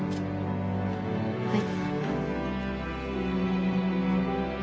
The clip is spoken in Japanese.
はい。